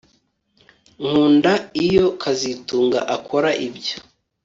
Nkunda iyo kazitunga akora ibyo